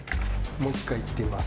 もう１回いってみます。